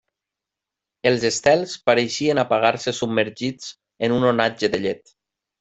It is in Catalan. Els estels pareixien apagar-se submergits en un onatge de llet.